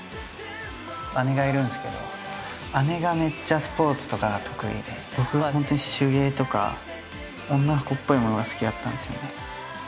姉がいるんすけど姉がめっちゃスポーツとかが得意で僕は手芸とか女の子っぽい物が好きだったんすよね。